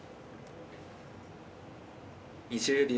２０秒。